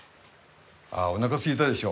ああおなかすいたでしょ。